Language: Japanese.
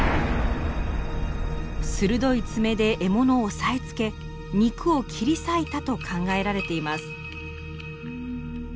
鋭い爪で獲物を押さえつけ肉を切り裂いたと考えられています。